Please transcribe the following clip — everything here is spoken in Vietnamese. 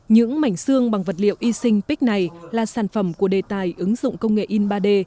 những mảnh xương bằng vật liệu y sinh pic này là sản phẩm của đề tài ứng dụng công nghệ in ba d